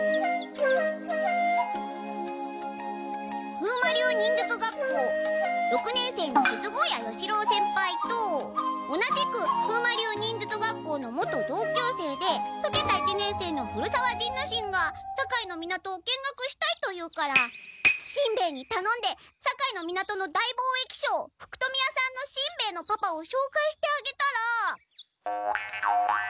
風魔流忍術学校六年生の錫高野与四郎先輩と同じく風魔流忍術学校の元同級生でふけた一年生の古沢仁之進が堺の港を見学したいと言うからしんべヱにたのんで堺の港の大貿易商福富屋さんのしんべヱのパパをしょうかいしてあげたら。